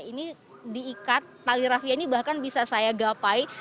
ini diikat tali rafia ini bahkan bisa saya gapai